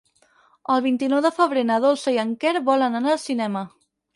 El vint-i-nou de febrer na Dolça i en Quer volen anar al cinema.